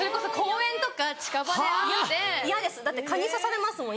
だって蚊に刺されますもん